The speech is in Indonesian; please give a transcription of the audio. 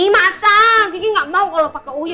masang kiki nggak mau kalau pakai uya